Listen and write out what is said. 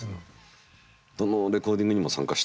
どのレコーディングにも参加してる人なんだよね。